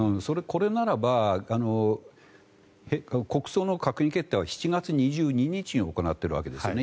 これならば国葬の閣議決定は７月２２日に行っているわけですよね。